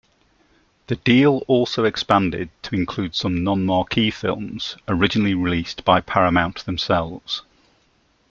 The deal also expanded to include some non-marquee films originally released by Paramount themselves.